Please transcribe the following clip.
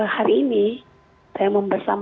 hari ini saya mau bersama